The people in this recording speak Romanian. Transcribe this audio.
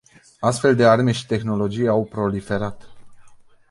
Astfel de arme și tehnologii au proliferat.